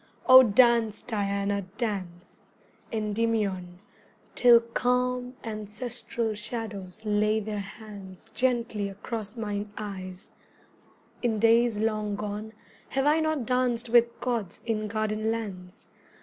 O dance, Diana, dance, Endymion, Till calm ancestral shadows lay their hands Gently across mine eyes: in days long gone Have I not danced with gods in garden lands?